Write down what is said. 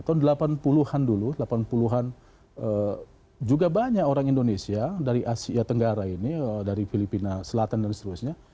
tahun delapan puluh an dulu delapan puluh an juga banyak orang indonesia dari asia tenggara ini dari filipina selatan dan seterusnya